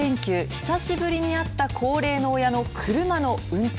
久しぶりに会った高齢の親の車の運転。